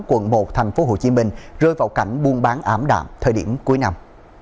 quận một tp hcm rơi vào cảnh buôn bán ảm đạm thời điểm cuối năm